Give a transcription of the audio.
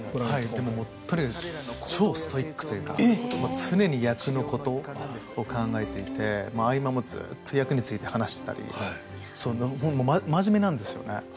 超ストイックというか常に役のことを考えていて合間もずっと役について話してたり真面目なんですよね。